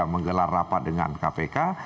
menggelar rapat dengan kpk